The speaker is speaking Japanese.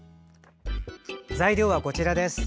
材料は、こちらです。